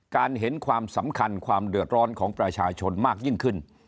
เห็นความสำคัญความเดือดร้อนของประชาชนมากยิ่งขึ้น